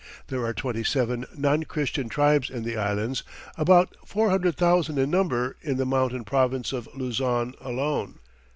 There are twenty seven non Christian tribes in the Islands about four hundred thousand in number in the Mountain Province of Luzon alone.